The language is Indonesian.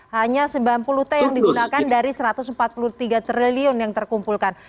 hanya sembilan puluh t yang digunakan dari satu ratus empat puluh tiga triliun yang terkumpulkan